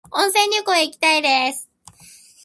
温泉旅行へ行きたいです。